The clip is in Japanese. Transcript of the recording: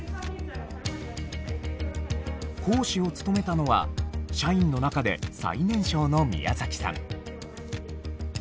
講師を務めたのは社員の中で最年少の宮さん。